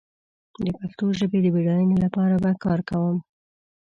د پښتو ژبې د بډايينې لپاره به کار کوم